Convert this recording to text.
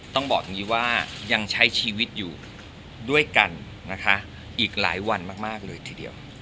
ต้องบอกว่ายังใช้ชีวิตอยู่ด้วยกันอีกหลายวันมากเลยทีเดียว